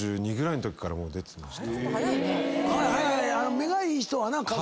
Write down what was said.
目がいい人はな過去。